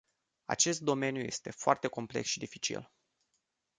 Acest domeniu este foarte complex și dificil.